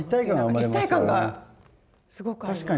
一体感がすごくあります。